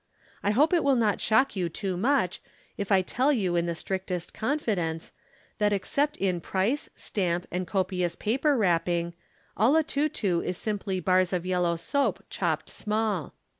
I hope it will not shock you too much if I tell you in the strictest confidence that except in price, stamp, and copious paper wrapping, "Olotutu" is simply bars of yellow soap chopped small.